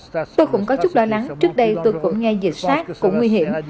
tôi cũng có chút lo lắng trước đây tôi cũng nghe dịch sát cũng nguy hiểm